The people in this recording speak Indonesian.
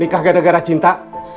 nikah gara gara cinta